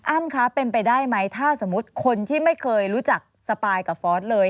คะเป็นไปได้ไหมถ้าสมมุติคนที่ไม่เคยรู้จักสปายกับฟอสเลย